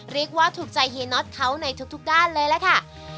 ลีกว่าถูกใจเฮนอลตเขาในทุกการเลยล่ะค่ะ